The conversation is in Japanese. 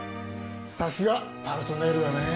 さすが「パルトネール」だね。